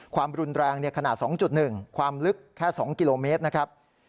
ความรุนแรงขนาด๒๑ความลึกแค่๒กิโลเมตรนะครับ